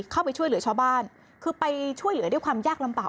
เข้าไปช่วยเหลือชาวบ้านคือไปช่วยเหลือด้วยความยากลำบาก